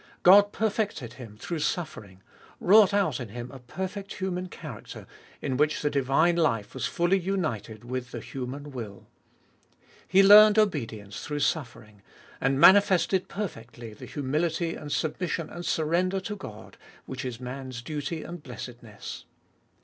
God perfected Him through suffering — wrought out in Him a perfect human character, in which the divine life was fully united with the human will. He learned obedience through suffering, and manifested perfectly the humility and submission and surrender to God, which is man's duty and blessedness.